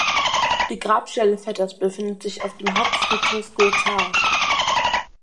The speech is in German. Die Grabstelle Vetters befindet sich auf dem Hauptfriedhof Gotha.